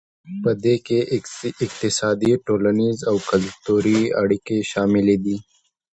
پدې کې اقتصادي ټولنیز او کلتوري اړیکې شاملې دي